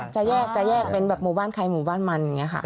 จะแยกเป็นแบบหมู่บ้านใครหมู่บ้านมันอย่างนี้ค่ะ